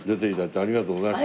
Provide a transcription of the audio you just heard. ありがとうございます。